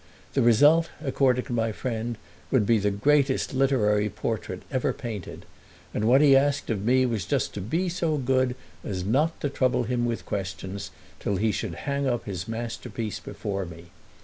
The result, according to my friend, would be the greatest literary portrait ever painted, and what he asked of me was just to be so good as not to trouble him with questions till he should hang up his masterpiece before me.